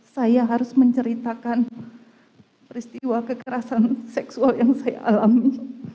saya harus menceritakan peristiwa kekerasan seksual yang saya alami